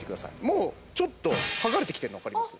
もうちょっとはがれてきてるの分かります？